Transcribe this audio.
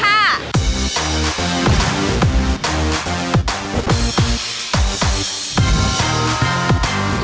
กล้วยทอด